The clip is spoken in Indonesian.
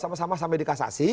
sama sama sampai dikasasi